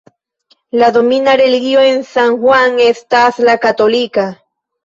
La domina religio en San Juan estas la katolika.